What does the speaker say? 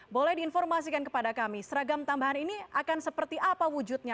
boleh diinformasikan kepada kami seragam tambahan ini akan seperti apa wujudnya